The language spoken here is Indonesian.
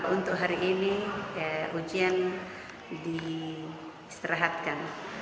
untuk hari ini ujian diistirahatkan